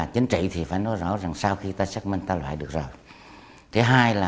còn tôi thì làm công tác về hư rồi